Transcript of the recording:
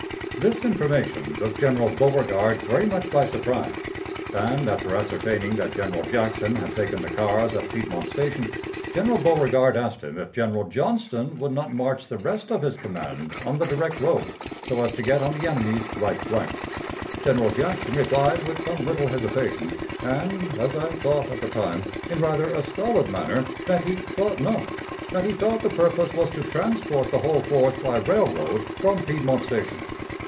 This information took General Beauregard very much by surprise, and, after ascertaining that General Jackson had taken the cars at Piedmont Station, General Beauregard asked him if General Johnston would not march the rest of his command on the direct road, so as to get on the enemy's right flank. General Jackson replied with some little hesitation, and, as I thought at the time, in rather a stolid manner, that he thought not; that he thought the purpose was to transport the whole force by railroad from Piedmont Station.